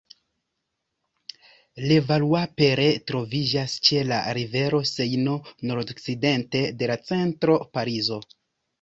Levallois-Perret troviĝas ĉe la rivero Sejno, nordokcidente de la centro Parizo.